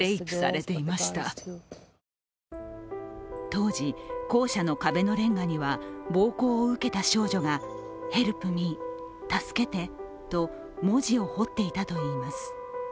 当時、校舎の壁のれんがには暴行を受けた少女が「ヘルプ・ミー」「助けて」と、文字を彫っていたといいます。